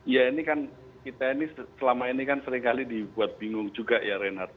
ya ini kan kita ini selama ini kan seringkali dibuat bingung juga ya reinhardt